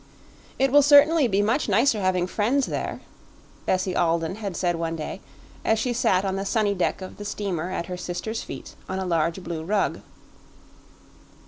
"It will certainly be much nicer having friends there," Bessie Alden had said one day as she sat on the sunny deck of the steamer at her sister's feet on a large blue rug.